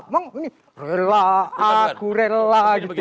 mau ini rela aku rela gitu ya